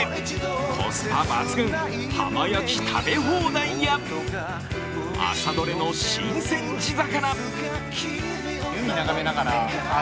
コスパ抜群、浜焼き食べ放題や朝どれの新鮮地魚。